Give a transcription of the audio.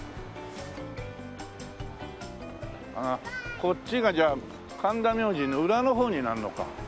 こっちがじゃあ神田明神の裏の方になるのか。